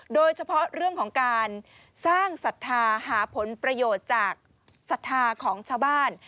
โดยเฉพาะเรื่องของการสร้างศรัทธาหาผลประโยชน์จากศรัทธาของชาวบ้าน